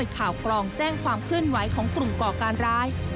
ข่าวกรองแจ้งความเคลื่อนไหวของกลุ่มก่อการร้าย